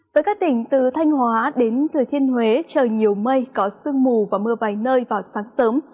với các tỉnh từ thanh hóa đến thừa thiên huế trời nhiều mây có sương mù và mưa vài nơi vào sáng sớm